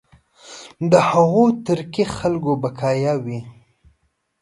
د هغو ترکي خلکو بقایا وي.